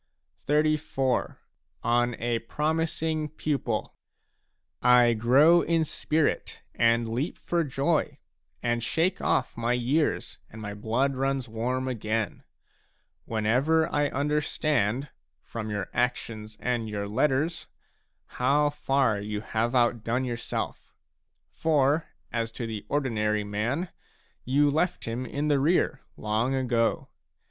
Farewell. XXXIV. ON A PROMISING PUPIL I grow in spirit and leap for joy and shake ofF my years and my blood runs warm again, whenever I understand, from your actions and your letters, how far you have outdone yourself ; for as to the ordinary man, you left him in the rear long ago.